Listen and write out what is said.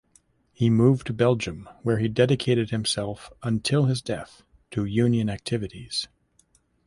He moved to Belgium where he dedicated himself until his death to union activities.